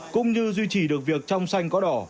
cũng như duy trì được việc trong xanh có đỏ